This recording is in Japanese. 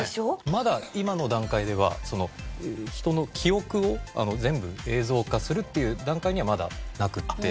まだ今の段階では人の記憶を全部映像化するっていう段階にはまだなくて。